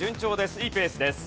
いいペースです。